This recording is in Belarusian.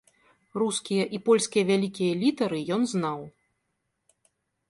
Рускія і польскія вялікія літары ён знаў.